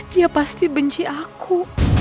dia pasti benci aku